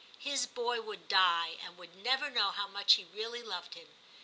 His boy would die, and would never know XII TIM 291 how much he really loved him.